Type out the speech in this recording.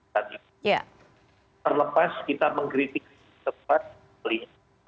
terlepas kita mengkritik tempat polri